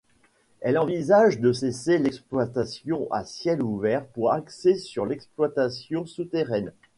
Elle envisage de cesser l'exploitation à ciel ouvert pour axer sur l'exploitation souterraine.